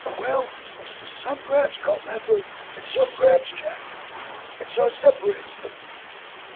"Well, some grabs Culpepper and some grabs Jack, and so separates them.